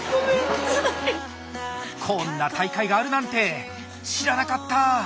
こんな大会があるなんて知らなかったあ。